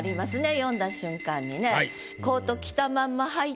読んだ瞬間にね。